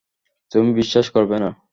তুমি বিশ্বাস করবে না!